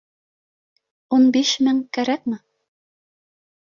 Ун биш мең кәрәкме?